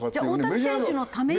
じゃあ大谷選手のために？